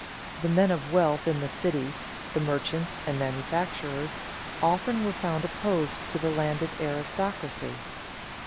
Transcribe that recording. The men of wealth in the cities, the merchants and manufacturers, often were found opposed to the landed aristocracy.